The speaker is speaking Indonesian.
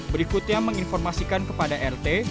berikutnya menginformasikan kepada rt